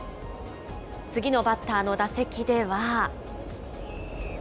次のバッターの打席では。